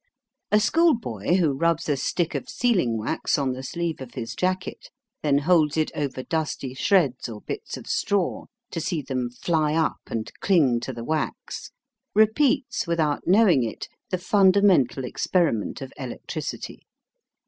A schoolboy who rubs a stick of sealing wax on the sleeve of his jacket, then holds it over dusty shreds or bits of straw to see them fly up and cling to the wax, repeats without knowing it the fundamental experiment of electricity.